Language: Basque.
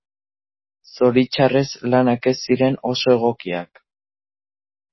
Zoritxarrez lanak ez ziren oso egokiak.